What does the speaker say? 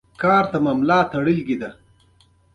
غومبري يې سره اوښتي وو.